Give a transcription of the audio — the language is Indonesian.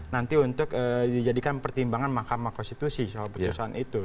nanti untuk dijadikan pertimbangan mahkamah konstitusi soal putusan itu